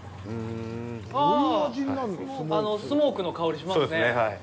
ああ、スモークの香りがしますね。